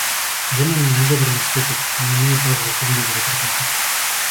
Жена ми е најдобра на светот, но не е баш возбудлива за приказна.